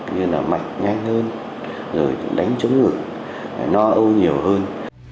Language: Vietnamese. như là mạch nhanh hơn rồi đánh chống ngực no âu nhiều hơn